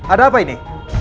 ada apa ini